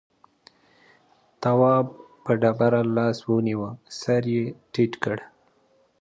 تواب په ډبره لاس ونيو سر يې ټيټ کړ.